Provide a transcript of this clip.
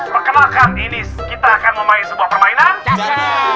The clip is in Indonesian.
perkenalkan ini kita akan memain sebuah permainan